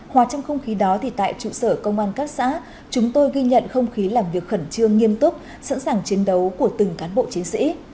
hòa trong không khí đó thì tại trụ sở công an các xã chúng tôi ghi nhận không khí làm việc khẩn trương nghiêm túc sẵn sàng chiến đấu của từng cán bộ chiến sĩ